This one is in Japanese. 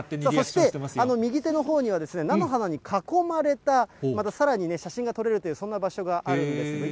そして右手のほうには、菜の花に囲まれた、またさらに写真が撮れるという、そんな場所があるんです。